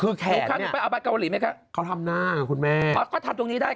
คือแขนเนี่ยเขาทำหน้าคุณแม่เขาทำตรงนี้ได้ค่ะ